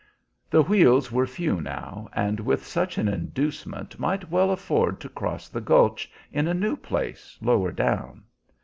The wheels were few now, and with such an inducement might well afford to cross the gulch in a new place lower down.